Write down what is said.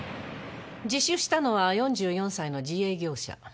自首したのは４４歳の自営業者。